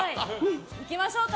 いきましょうか。